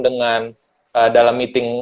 dengan dalam meeting